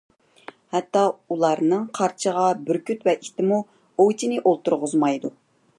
ھەتتا ئۇلارنىڭ قارچىغا، بۈركۈت ۋە ئىتىمۇ ئوۋچىنى ئولتۇرغۇزمايدۇ.